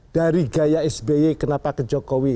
dari gaya sby kenapa ke jokowi